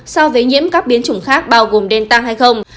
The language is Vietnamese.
so với nhiễm các biến chủng khác bao gồm delta hay không